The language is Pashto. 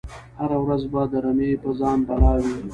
هره ورځ به د رمی په ځان بلا وي